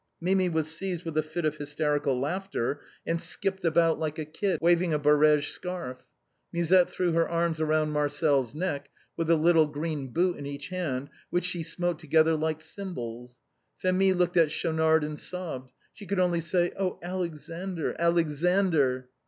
Minii was seized with a fit of liysterical laughter, and skipped about like a kid, waving a little barege scarf. Musette threw her arms round Marcel's neck, with a little green boot in each hand, which she smote together like cymbals. Phémie looked at Schaunard and sobbed; she could only say: " Oh ! Alexander, Alexander."